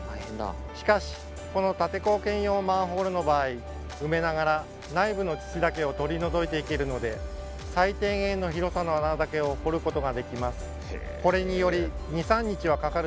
しかしこの立坑兼用マンホールの場合埋めながら内部の土だけを取り除いていけるので最低限の広さの穴だけを掘ることができます。